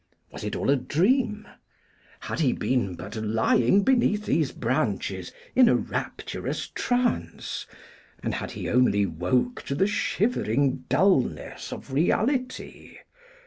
Was it all a dream? Had he been but lying beneath these branches in a rapturous trance, and had he only woke to the shivering dulness of reality?